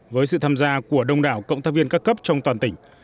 với sự tham gia của đông đảo cộng tác viên các cấp trong toàn tỉnh